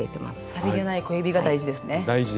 さりげない小指が大事ですね。